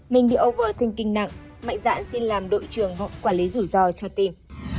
mình bị ấu vỡ thân kinh nặng mạnh dãn xin làm đội trưởng vọng quản lý rủi ro cho team